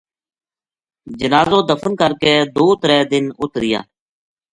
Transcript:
جنازو دفن کر کے دو ترے دن اُت رہیا